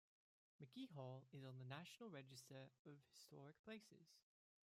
McGehee Hall is on the National Register of Historic Places.